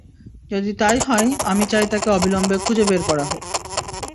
যদি তাই হয়, আমি চাই তাকে অবিলম্বে খুঁজে বের করা হোক।